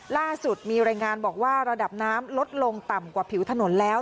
ล่าสุดมีรายงานบอกว่าระดับน้ำลดลงต่ำกว่าผิวถนนแล้ว